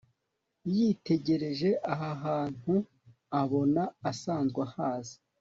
Yitegereje aha hantuabona asanzwe ahazi